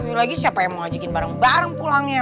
lagi lagi siapa yang mau ajakin bareng bareng pulangnya